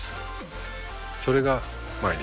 それが毎日です。